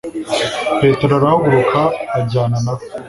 petero arahaguruka ajyana na bo